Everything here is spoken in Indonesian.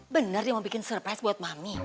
bener yang bikin surprise buat mami